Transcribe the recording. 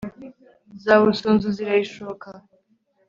za busunzu zirayishoka